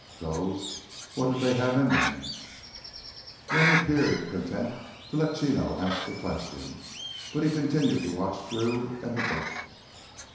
"Those—what did they have in them?" Rennie appeared content to let Chino ask the questions, but he continued to watch Drew and the book.